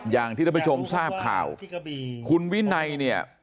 อย่างที่ท่านผู้ชมทราบข่าวคุณวินัยเนี่ย